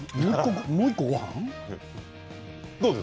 もう１個ごはん？